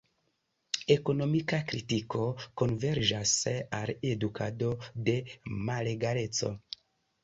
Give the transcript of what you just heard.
Ekonomika kritiko konverĝas al edukado de malegaleco.